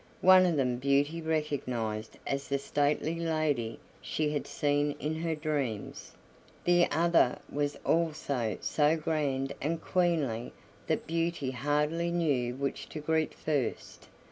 One of them Beauty recognized as the stately lady she had seen in her dreams; the other was also so grand and queenly that Beauty hardly knew which to greet first.